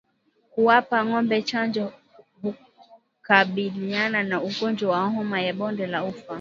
Kuwapa ngombe chanjo hukabiliana na ugonjwa wa homa ya bonde la ufa